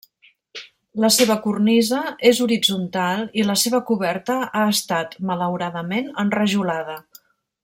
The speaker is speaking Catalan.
La seva cornisa és horitzontal i la seva coberta ha estat, malauradament, enrajolada.